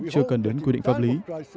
chưa cần đến quy định pháp lý